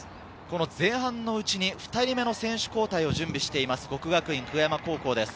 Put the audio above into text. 前半のうちの２人目の選手交代を準備しています、國學院久我山高校です。